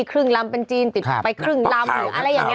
ครึ่งลำเป็นจีนติดไปครึ่งลำหรืออะไรอย่างนี้